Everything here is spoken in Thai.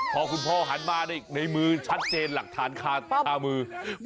พอคุณพ่อหันมาในมือชัดเจนหลักฐานคามือ